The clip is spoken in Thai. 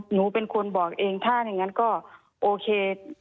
หนูเป็นคนบอกเองถ้าอย่างนั้นก็โอเค